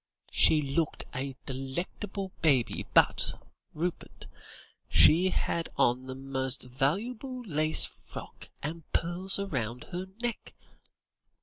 She looked a delectable baby, but, Rupert, she had on the most valuable lace frock, and pearls round her neck.